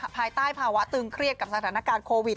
ภายใต้ภาวะตึงเครียดกับสถานการณ์โควิด